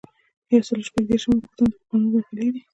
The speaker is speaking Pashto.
یو سل او شپږ دیرشمه پوښتنه د قانون مرحلې دي.